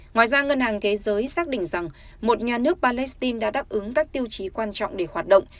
ngoài ra ngân hàng thế giới xác định rằng một nhà nước palestine đã đáp ứng các tiêu chí quan trọng để hoạt động